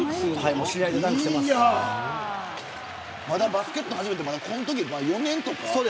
バスケット始めてこのとき４年とか。